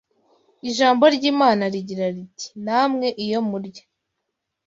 Ijambo ry’Imana rigira riti: “Namwe iyo murya